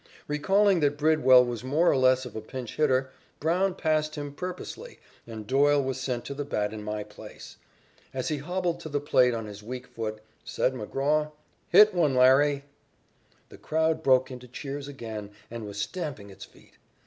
Recalling that Bridwell was more or less of a pinch hitter, Brown passed him purposely and Doyle was sent to the bat in my place. As he hobbled to the plate on his weak foot, said McGraw: "Hit one, Larry." The crowd broke into cheers again and was stamping its feet.